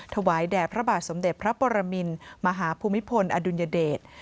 ถวายแด่พระบาทสมเด็จพระปรมินมหาภูมิพลอดุลยเดช